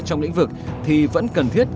trong lĩnh vực thì vẫn cần thiết